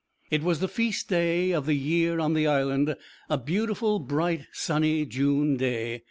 It was the feast day of the year on the Island, a beautiful bright sunny June day.